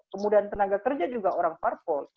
kemudian tenaga kerja juga orang parpol